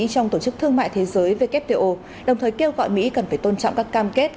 trong tổ chức thương mại thế giới wto đồng thời kêu gọi mỹ cần phải tôn trọng các cam kết